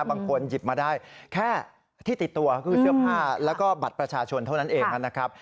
บางคนหยิบมาได้แค่ที่ติดตัวคือเสื้อผ้าแล้วก็บัตรประชาชนเท่านั้นเองนะครับ